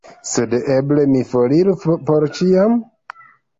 Sed eble mi foriru — por ĉiam?